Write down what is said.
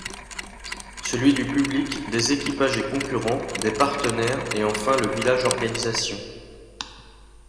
Celui du public, des équipages et concurrents, des partenaires et enfin le village organisation.